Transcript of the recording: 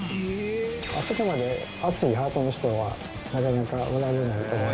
あそこまで熱いハートの人はなかなかおられないと思います